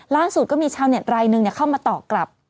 ล่าสุดก็มีชาวเน็ตรายหนึ่งเข้ามาตอบกลับ